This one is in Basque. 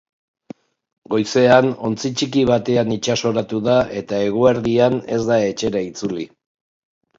Goizean ontzi txiki batean itsasoratu da, eta eguerdian ez da etxera itzuli.